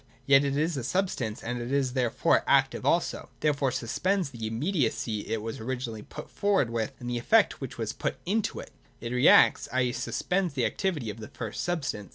Yet it is a substance, and it is there fore active also : it therefore suspends the immediacy it was originally put forward with, and the effect which was put into it : it reacts, i. e. suspends the activity of the first substance.